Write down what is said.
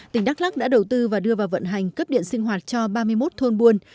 tỉnh đắk lắc đã đầu tư và đưa vào vận hành cấp điện sinh hoạt cho ba mươi một thôn buôn